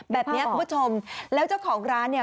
แบบนี้คุณผู้ชมแล้วเจ้าของร้านเนี่ย